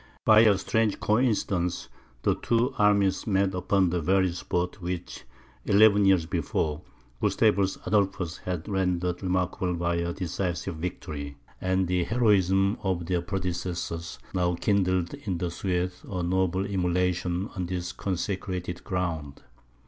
By a strange coincidence, the two armies met upon the very spot which, eleven years before, Gustavus Adolphus had rendered remarkable by a decisive victory; and the heroism of their predecessors, now kindled in the Swedes a noble emulation on this consecrated ground.